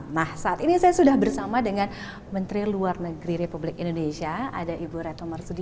nah saat ini saya sudah bersama dengan menteri luar negeri republik indonesia ada ibu reto marsudi